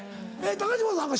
高嶋さん